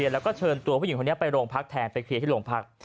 แล้วก็เชิญตัวผู้หญิงคนนี้ไปโรงพักแทนไปเคลียร์ที่โรงพัก